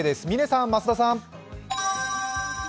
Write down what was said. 嶺さん、増田さん。